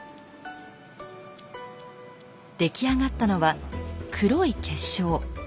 出来上がったのは「黒い結晶」。